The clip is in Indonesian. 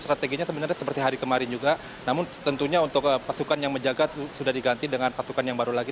strateginya sebenarnya seperti hari kemarin juga namun tentunya untuk pasukan yang menjaga sudah diganti dengan pasukan yang baru lagi